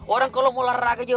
orang kalau mau larak aja